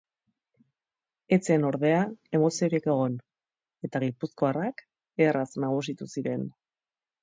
Ez zen ordea emoziorik egon eta gipuzkoarrak erraz nagusitu ziren.